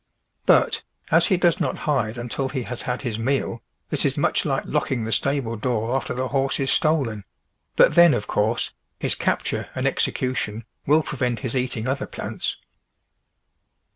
But as he does not hide until he has had his meal, this is much like locking the stable door after the horse is stolen; but then, of course, his capture and execution will prevent his eating other plants.